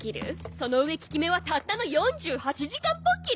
その上効き目はたったの４８時間ポッキリ？